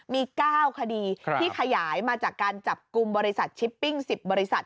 มี๙คดีที่ขยายมาจากการจับกลุ่มบริษัทชิปปิ้ง๑๐บริษัท